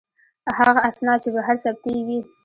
هغه اسناد چې بهر ثبتیږي.